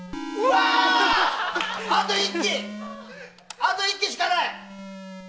あと１機しかない！